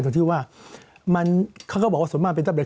ตรงที่ว่ามันเขาก็บอกว่าส่วนมากเป็นตั้งแต่